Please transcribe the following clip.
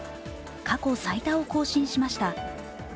過去最多を更新しました。